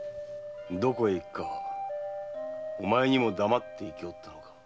どこへ行くかお前にも黙って行きおったのか。